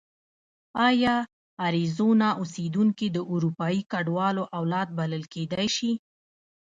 ایا اریزونا اوسېدونکي د اروپایي کډوالو اولاد بلل کېدای شي؟